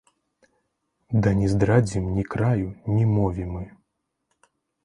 Ды не здрадзім ні краю, ні мове мы.